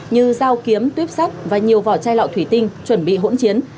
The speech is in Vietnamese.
như dao kiếm tuyếp sắt và nhiều vỏ chai lọ thủy tinh chuẩn bị hỗn chiến